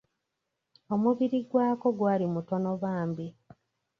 Omubiri gwako gwali mutono bambi.